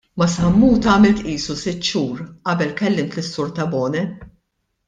Ma' Sammut għamilt qisu sitt xhur qabel kellimt lis-Sur Tabone.